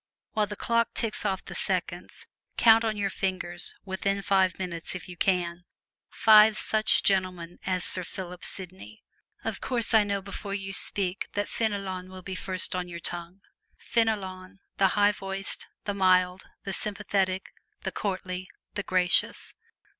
While the clock ticks off the seconds, count on your fingers within five minutes, if you can five such gentlemen as Sir Philip Sidney! Of course, I know before you speak that Fenelon will be the first on your tongue. Fenelon, the low voiced, the mild, the sympathetic, the courtly, the gracious!